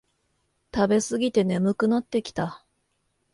食べすぎて眠くなってきた